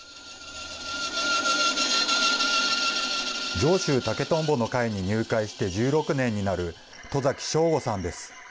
上州竹とんぼの会に入会して１６年になる、戸崎昇吾さんです。